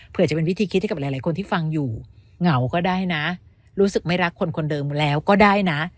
เพื่อจะเป็นวิธีคิดให้กับหลายคนที่ฟังอยู่เหงาก็ได้นะรู้สึกไม่รักคนคนเดิมแล้วก็ได้นะ